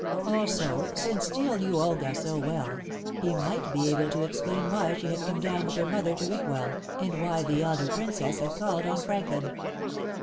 Also, since Steel knew Olga so well, he might be able to explain why she had come down with her mother to Rickwell, and why the elder Princess had called on Franklin.